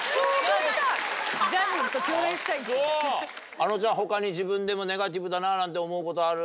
あのちゃん他に自分でもネガティブだななんて思うことある？